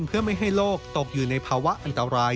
เพื่อไม่ให้โลกตกอยู่ในภาวะอันตราย